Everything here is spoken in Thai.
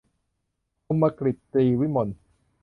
คมกฤษ ตรีวิมล